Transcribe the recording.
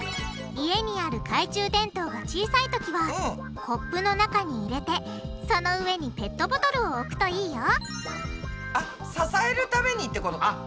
家にある懐中電灯が小さいときはコップの中に入れてその上にペットボトルを置くといいよあっ支えるためにってことか。